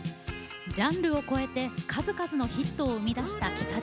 ジャンルを超えて数々のヒットを生み出した喜多條さん。